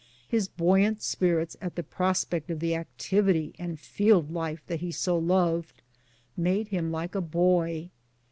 His buoyant spirits at the prospect of the activity and field life that he so loved made him like a boy.